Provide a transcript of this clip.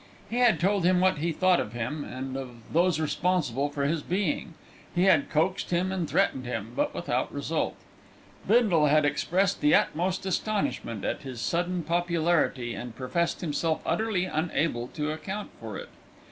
He had told him what he thought of him, and of those responsible for his being. He had coaxed him and threatened him, but without result. Bindle had expressed the utmost astonishment at his sudden popularity, and professed himself utterly unable to account for it.